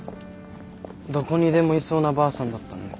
どこにでもいそうなばあさんだったのに。